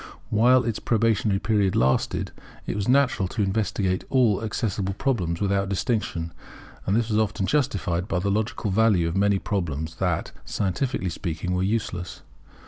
While its probationary period lasted, it was natural to investigate all accessible problems without distinction; and this was often justified by the logical value of many problems that, scientifically speaking, were useless.